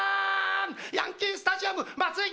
ヤンキースタジアム、松井秀喜